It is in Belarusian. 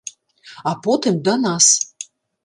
А потым да нас.